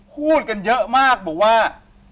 พูดกันเยอะมากบอกว่า